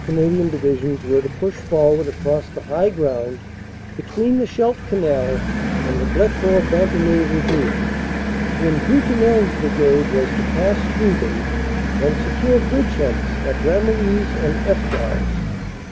Canadian Divisions were to push for ward across the high ground between the Scheldt Canal and the Blecourt Bantigny Ravine, when Brutinel s Brigade was to pass through them and secure bridgeheads at Ramillies and Eswars.